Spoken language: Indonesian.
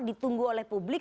ditunggu oleh publik